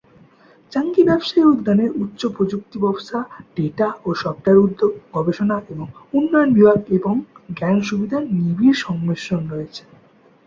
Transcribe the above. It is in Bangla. চাঙ্গি ব্যবসায়ী উদ্যানের উচ্চ প্রযুক্তি ব্যবসা, ডেটা ও সফ্টওয়্যার উদ্যোগ, গবেষণা এবং উন্নয়ন বিভাগ এবং জ্ঞান সুবিধার নিবিড় সংমিশ্রণ রয়েছে।